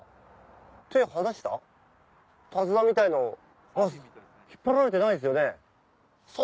手綱みたいの引っ張られてないですよね？